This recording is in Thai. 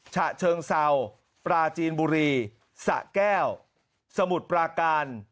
ฉะเชิงเศร้าปราจีนบุรีสะแก้วสมุทรปราการ